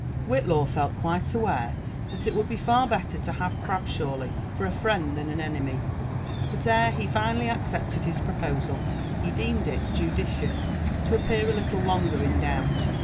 Whitlaw felt q^uile aware that ii would be far better to have Crab shawly for a friend than an enemy; but ere he finally accepted his proposal, he deemed it judicious to appetr a little longer in doubt.